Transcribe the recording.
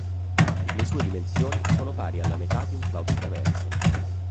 Le sue dimensioni sono pari alla metà di un flauto traverso.